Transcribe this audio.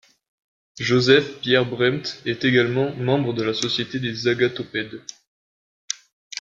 Joseph-Pierre Braemt est également membre de la Société des agathopèdes.